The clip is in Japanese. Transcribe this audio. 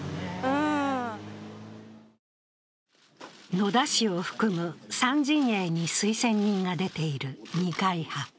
野田氏を含む３陣営に推薦人が出ている二階派。